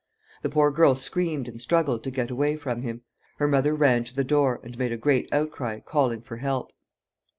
The poor girl screamed and struggled to get away from him. Her mother ran to the door, and made a great outcry, calling for help.